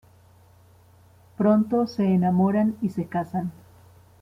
Pronto se enamoran y se casan.